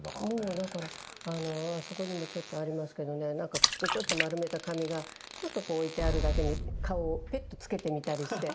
もうだからあそこにもちょっとありますけどねなんかくちゅくちゅっと丸めた紙がちょっとこう置いてあるだけに顔をペッてつけてみたりして。